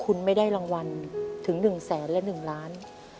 คุณไม่ได้รางวัลถึง๑แสนและ๑ล้าน